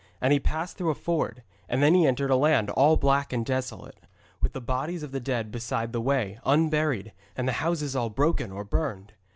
And he passed through a ford, and then he entered a land all black and desolate, with the bodies of the dead beside the way, unburied, and the houses all broken or burned.